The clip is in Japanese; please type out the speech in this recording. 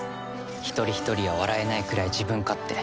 一人一人は笑えないくらい自分勝手。